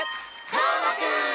「どーもくん！」